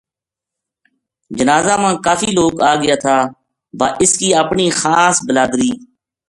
جنازہ ما کافی لوک آگیا تھا با اس کی اپنی خاص بلادری